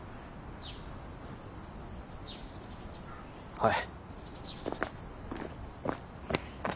はい。